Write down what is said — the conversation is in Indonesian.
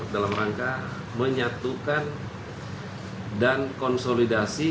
dalam rangka menyatukan dan konsolidasi